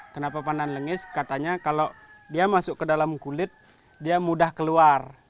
kenapa pandan lengis katanya kalau dia masuk ke dalam kulit dia mudah keluar